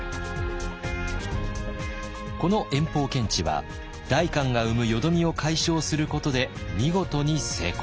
この延宝検地は代官が生む淀みを解消することで見事に成功。